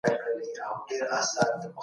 که وطنوال سره یو شي، وطن ګلزار کیږي.